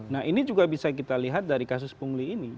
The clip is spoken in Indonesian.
nah ini juga bisa kita lihat dari kasus pungli ini